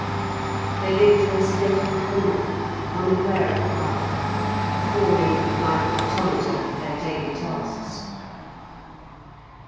They lived in a state of coma, unaware of life, performing, like automata, their daily tasks.